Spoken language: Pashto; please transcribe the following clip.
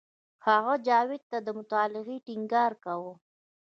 هغه جاوید ته د مطالعې ټینګار کاوه